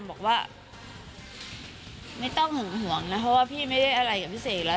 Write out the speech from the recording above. บอกว่าไม่ต้องห่วงนะเพราะว่าพี่ไม่ได้อะไรกับพี่เสกแล้ว